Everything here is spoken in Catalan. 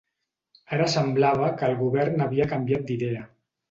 Ara semblava que el Govern havia canviat d'idea